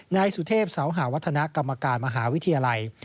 นายสุเทพเสาหาวัฒนากรรมการมหาวิทยาลัย